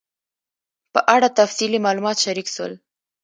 په اړه تفصیلي معلومات شریک سول